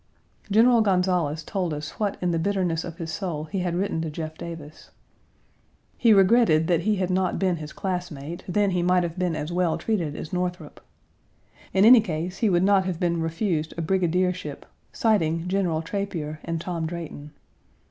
General Gonzales told us what in the bitterness of his soul he had written to Jeff Davis. He regretted that he had not been his classmate; then he might have been as well treated as Northrop. In any case he would not have been refused a brigadiership, citing General Trapier and Tom Drayton.